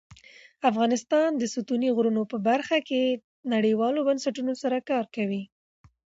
افغانستان د ستوني غرونه په برخه کې نړیوالو بنسټونو سره کار کوي.